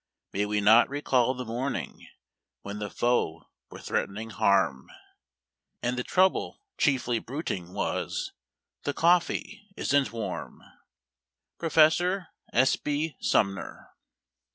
May we not recall the morning when the foe were threatening harm, And the trouble chiefly bruited was, " The coffee isn't warm "? Prof. S. B. Sumner.